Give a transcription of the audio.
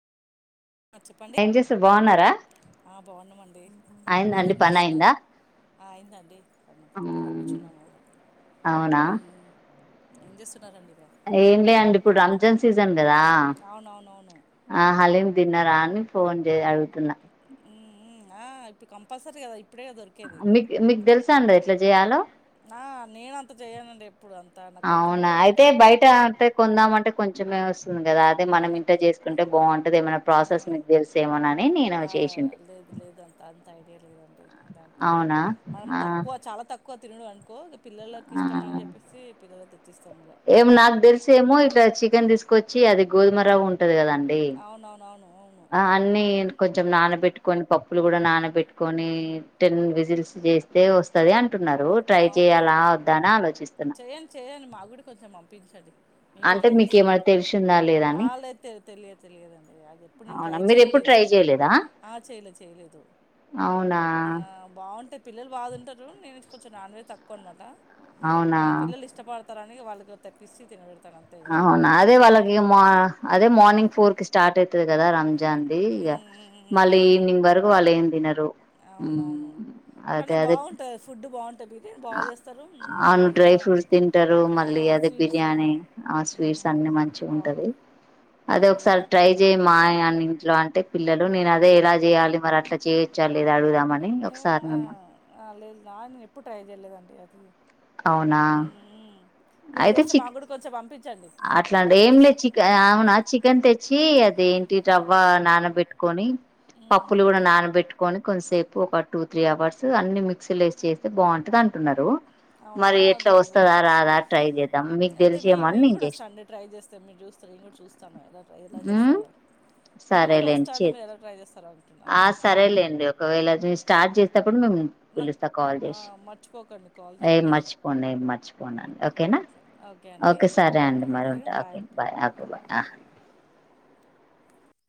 చెప్పండి ఏం చేస్తారు బాగున్నారా ఆ బాగున్నామండి అయిందా అండి మీరేం పని అయిందా చేస్తున్నారు అయిందండి పనంత అయిపోయింది కూర్చున్నాముగ అవునా ఏం చేస్తున్నారు ఏం లే అండి ఇప్పుడు రంజాన్ సీజన్ కదా అవునవునవును ఆ హలీనమ్ తిన్నారా అని ఫోన్ చే అగుతున్నా ఆ ఇప్పుడు కంపల్సరి కదా ఇప్పుడే కదా దొరికేది మీక్ మీక్ తెల్సా అండి ఎట్లా చేయాలో ఆ నేనంత చెయనండి అవునా అయితే బయట అంటే కొందామంటే కొంచెమే వస్తుంది కదా అ అ మనం ఇంట చేసుకుంటే బాగుంటుంది నేను ఆ చేసింటి లేదు లేదు అంత అంత ఐడియా లేదండి అంటే అవునా మనం ఆ తక్కువ చాలా తక్కువ తినుడు అనుకో పిల్లలకి ఇష్టంమని చెప్పేసి పిల్లల ఎం నాకు తెలిసి ఏమో చికెన్ తీసుకు వచ్చి అది గోధుమ రవ్వ ఉంటుంది కదండి అవునవునవును అవును ఆ అన్ని కొంచెం నానబెట్టుకొని పప్పులు కూడా నానబెట్టుకొని టెన్ విజిల్స్ చేస్తే వస్తది అంటే అంటున్నారు ట్రై అవునా చేయాల వద్దా అని ఆలోచిస్తున్నా మేం కూడా అంటే ట్రై చేసాం మీకేమైనా తెలిసిందా లేదా అని అ లే తెలియదు తెలియదుండి అది ఎప్పుడు నేను అవునా ట్రై మీరు ఎప్పుడు చేయలేదు ట్రై చేయలేదా ఆ చేయలేదు చేయలేదు అవునా ఆ బాగుంటా పిల్లలు బాగు ఉంటారు నేను కొంచెం నాన్వే తక్కువ అనమాట అవునా కానీ పిల్లలు ఇష్టపడతా త్తరని వాళ్ళకి తెప్పిసి తినబె అవునా అదే వాళ్ళకి అదే మార్నింగ్ ఫోర్ కి స్టార్ట్ అయితది కదా రంజాన్ది ఇగ ఉమ్ ఉమ్ ఉమ్ మళ్ళీ ఉమ్ ఈవినింగ్ వరకు వాళ్ళు ఏం తిన అవునవును కానీ బాగుంటాయి ఫుడ్ బాగుంటు ఆ అను డ్రై ఫ్రూట్స్ తింటారు ఆ మళ్ళీ అదే స్వీట్స్ ఆ బిర్యానీ ఆ స్వీట్స్ అన్ని మంచి ఉంటది బాగుంటది అదే ఒకసారి ట్రై చెయి మా అ ఇంట్లో అంటే పిల్లలు నేను అదే ఎలా జేయాలి మరి అట్లా చేయోచ్చా లేద అడుగుదా మని ఏం ఒకసారి ఆ మిమ్మా ఆ లేదు నా ను ఎప్పుడు ట్రై చేయలేదండి అది అవునా మ్మ్ మీరు చేసే మాగుడు కొంచెం పంపి అట్లాడేం లేదు చికెన్ అవునా చికెన్ తెచ్చి అదేంటి టవ్వా నానబెట్టుకోని పప్పులు గూడా మ్మ్ నానబెట్టుకొని కొంసేపు ఒక టూ త్రీ అవర్స్ అన్ని మిక్సీలో వేసి చేస్తే బాగుంటది అంటున్నారు అవునా మరి ఎట్లా అదే అదే అదే. వస్తదా రాదా ట్రై చేద్దాం మీకు తెలిసేమని నేం చే సండే ట్రై చేస్తే మీరు చూస్త నేను కూడా చూస్తాను, ఎలా ట్రై ఎలా ఉమ్ చేస్తారో నేను కూడా సరేలేండి వస్తాను చే మీరు ఎలా ట్రై చేస్తారో అంటున్నా, ఆ ఇప్పుడు మేం నాకు పిలుస్తా కాల్ ఆ, చేసి మర్చిపోకండి కాల్ ఏ చేయండి మర్చిపోన్ ఏం మర్చిపోనండి ఓకేనా ఓకే అండి ఓకే సరే అండి. ఉంట బాయ్ ఓకే అండి బయ్ ఓకే బయ్ ఆ